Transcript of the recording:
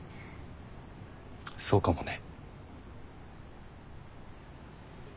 そうかもね。